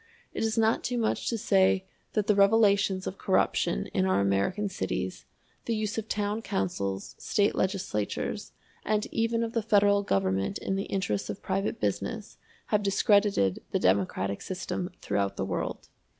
It is not too much to say that the revelations of corruption in our American cities, the use of town councils, State legislatures, and even of the Federal Government in the interests of private business, have discredited the democratic system throughout the world.